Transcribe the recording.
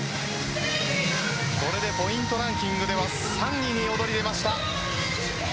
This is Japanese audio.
これでポイントランキングでは３位に躍り出ました。